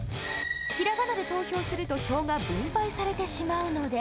ひらがなで投票すると票が分配されてしまうので。